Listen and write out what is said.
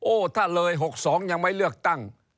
ถ้าเลย๖๒ยังไม่เลือกตั้ง